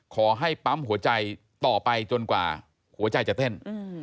ขอให้ปั๊มหัวใจต่อไปจนกว่าหัวใจจะเต้น